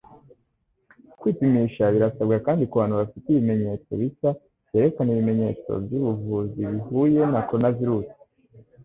kwipimisha birasabwa kandi kubantu bafite ibimenyetso bishya byerekana ibimenyetso byubuvuzi bihuye na coronavirus